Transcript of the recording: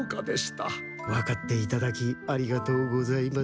わかっていただきありがとうございます。